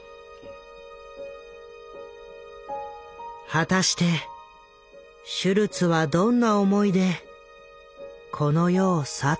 果たしてシュルツはどんな思いでこの世を去ったのか？